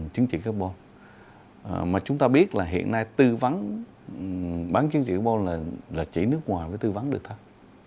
tính trị carbon mà chúng ta biết là hiện nay tư vấn bán tính trị carbon là chỉ nước ngoài mới tư vấn được thôi